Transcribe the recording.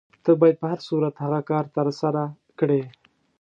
ته باید په هر صورت هغه کار ترسره کړې.